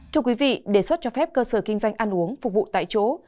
thưa quý vị đề xuất cho phép cơ sở kinh doanh ăn uống phục vụ tại chỗ